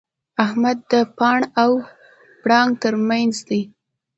احمد د پاڼ او پړانګ تر منځ دی.